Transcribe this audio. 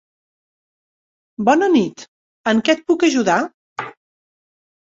Bona nit, en què et puc ajudar?